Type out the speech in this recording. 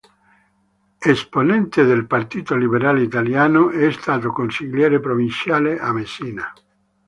Esponente del Partito Liberale Italiano, è stato consigliere provinciale a Messina.